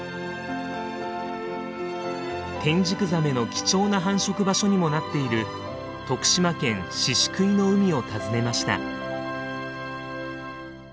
テンジクザメの貴重な繁殖場所にもなっている徳島県宍喰の海を訪ねました。